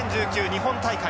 日本大会。